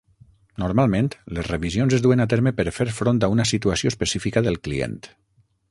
Normalment les revisions es duen a terme per fer front a una situació específica del client.